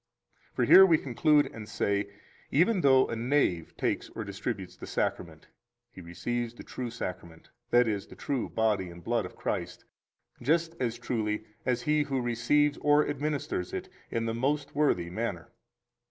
16 For here we conclude and say: Even though a knave takes or distributes the Sacrament, he receives the true Sacrament, that is, the true body and blood of Christ, just as truly as he who [receives or] administers it in the most worthy manner.